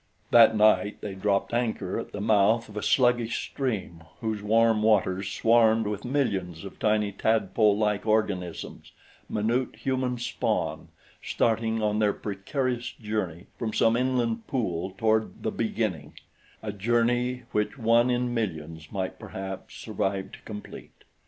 That night they dropped anchor at the mouth of a sluggish stream whose warm waters swarmed with millions of tiny tadpolelike organisms minute human spawn starting on their precarious journey from some inland pool toward "the beginning" a journey which one in millions, perhaps, might survive to complete.